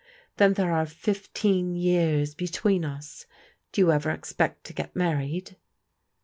"Then there are fifteen years between us. Do you ever expect to get married?